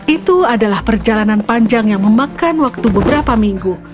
itu adalah perjalanan panjang yang memakan waktu beberapa minggu